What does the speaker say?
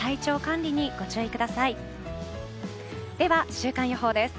週間予報です。